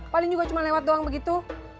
paling juga cuma lewat doang begitu